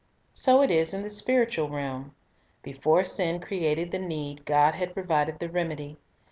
So it is in the spiritual realm. Before sin created the need, God had provided the remedy.